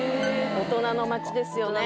大人の街ですよね